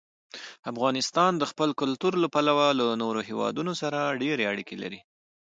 افغانستان د خپل کلتور له پلوه له نورو هېوادونو سره ډېرې اړیکې لري.